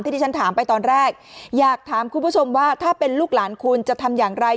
ตอนแรกอยากถามคุณผู้ชมว่าถ้าเป็นลูกหลานคุณจะทำอย่างไร